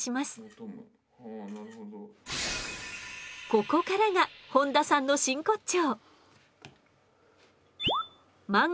ここからが本多さんの真骨頂！